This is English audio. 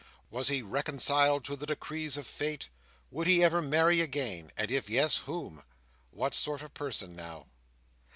Was he reconciled to the decrees of fate? Would he ever marry again? and if yes, whom? What sort of person now!